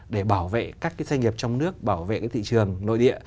để bảo vệ các cái doanh nghiệp trong nước bảo vệ cái thị trường nội địa